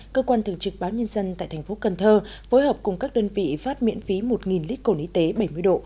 cơ quan thường trực báo nhân dân tại tp cn phối hợp cùng các đơn vị phát miễn phí một lít cổ ný tế bảy mươi độ